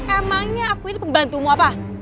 emangnya aku ini pembantumu apa